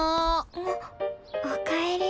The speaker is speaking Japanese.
あっおかえり。